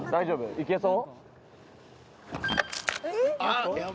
いけそう？